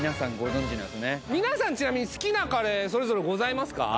皆さんちなみに好きなカレーそれぞれございますか？